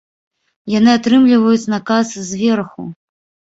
Яны атрымліваюць наказ зверху.